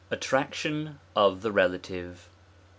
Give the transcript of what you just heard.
Attraction of the Relative. 1.